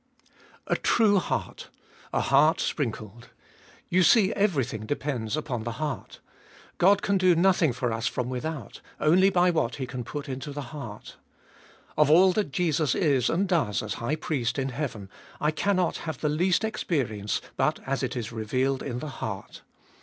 2. A true heart— a heart sprinkled : you see everything depends upon the heart God can do nothing for us from without, only by what He can put into the heart. Of all that Jesus is and does as High Priest in heaven I cannot have the least experience, but as it is revealed in the heart.